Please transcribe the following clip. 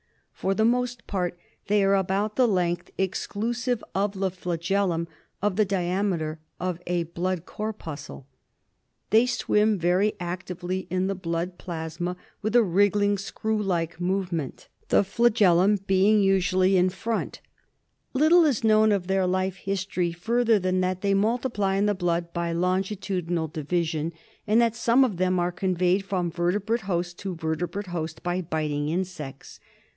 For the most part they are about the length, exclusive of the flagellum, of the diameter of a blood corpuscle. They swim very actively in the blood plasma with a wriggling screw like movement, the flagellum being usually in front. I lO TRYPANOSOMIASIS. Little is known of their life history further than that they multiply in the blood by longitudinal division, and that some of them are conveyed from vertebrate host to vertebrate host by biting insects.